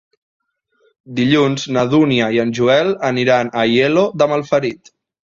Dilluns na Dúnia i en Joel aniran a Aielo de Malferit.